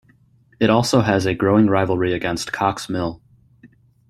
It also has a growing rivalry against Cox Mill.